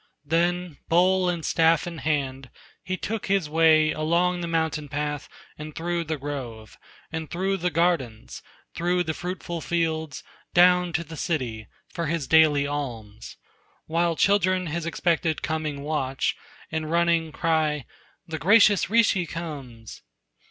Then bowl and staff in hand, he took his way Along his mountain path and through the grove, And through the gardens, through the fruitful fields, Down to the city, for his daily alms; While children his expected coming watch, And running cry: "The gracious Rishi comes."